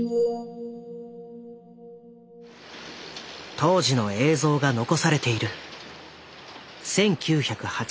当時の映像が残されている。